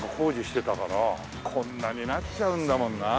こんなになっちゃうんだもんなあ。